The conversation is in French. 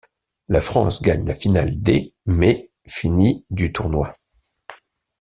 La France gagne la finale D, mais finit du tournoi.